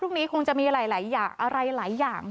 พรุ่งนี้คงจะมีหลายอย่าง